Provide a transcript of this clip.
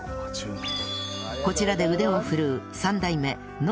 こちらで腕を振るう